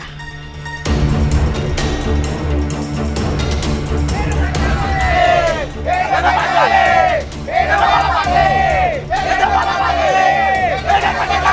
hidup balapati hidup balapati